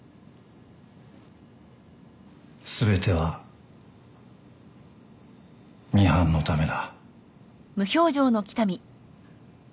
全てはミハンのためだ。